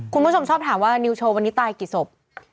คุณผู้ชมชอบถามว่านิวโชว์วันนี้ตายกี่ศพ